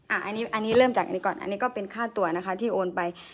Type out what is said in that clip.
อันนี้เริ่มจากอันนี้ก่อนอันนี้ก็เป็นค่าตัวนะคะที่โอนไป